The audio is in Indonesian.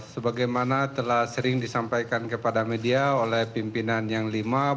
sebagaimana telah sering disampaikan kepada media oleh pimpinan yang lima bahwa kpk sekarang itu ingin mengintegrasikan upaya